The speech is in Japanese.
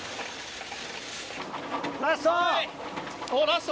ラスト！